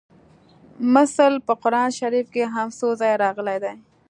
مثل په قران شریف کې هم څو ځایه راغلی دی